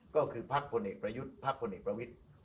ก็คือภักดิ์ผลเอกประยุทธ์ภักดิ์ผลเอกประวิทธิ์